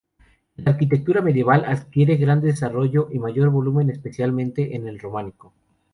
En la arquitectura medieval adquiere gran desarrollo y mayor volumen, especialmente en el Románico.